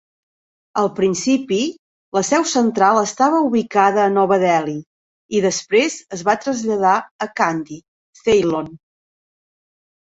Al principi, la seu central estava ubicada a Nova Delhi, i després es va traslladar a Kandy, Ceylon.